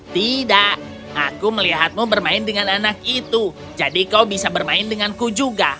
tidak aku melihatmu bermain dengan anak itu jadi kau bisa bermain denganku juga